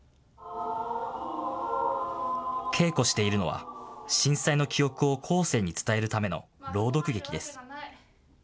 稽古しているのは震災の記憶を後世に伝えるための朗読劇です。